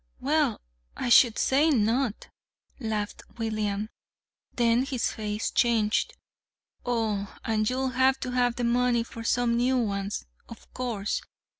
"Well, I should say not!" laughed William; then his face changed. "Oh, and you'll have to have the money for some new ones, of course.